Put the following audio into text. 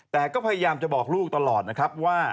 แต่ก็พยายามจะบอกลูกตลอดนะครับว่า